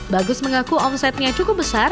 bagus mengaku omsetnya cukup besar